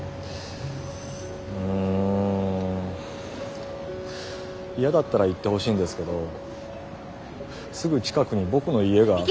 ん嫌だったら言ってほしいんですけどすぐ近くに僕の家が。